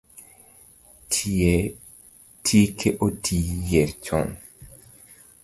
Tike oti yier chon